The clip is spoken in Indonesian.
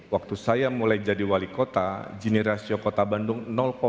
waktu saya mulai jadi wali kota gini rasio kota bandung empat puluh delapan